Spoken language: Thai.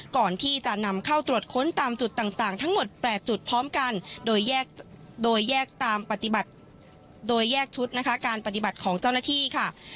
ก่อนที่จะนำเข้าตรวจค้นตามจุดต่างทั้งหมด๘จุดพร้อมกันโดยแยกชุดการปฏิบัติของเจ้าหน้าที่ค่ะ